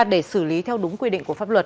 để xử lý theo đúng quy định của pháp luật